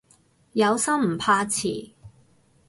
有心唔怕遲